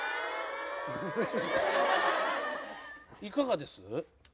いかがです？